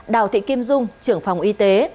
đào thị kim dung trưởng phòng y tế